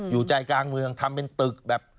อยู่ใจกลางเมืองทำเป็นตึกแบบ